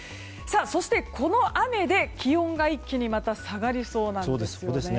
そして、この雨で気温が一気にまた下がりそうなんですよね。